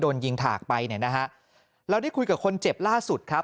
โดนยิงถากไปเราได้คุยกับคนเจ็บล่าสุด